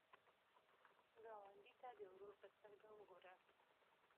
ګاونډي ته د ورور په سترګه وګوره